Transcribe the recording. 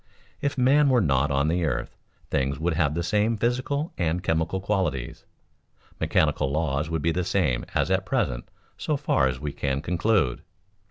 If man were not on the earth, things would have the same physical and chemical qualities, mechanical laws would be the same as at present so far as we can conclude.